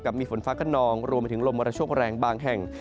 มีฝนฟ้าขนองรวมไปถึงลมมรชกแรงบางแห่ง